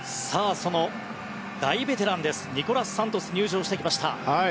大ベテランですニコラス・サントス入場してきました。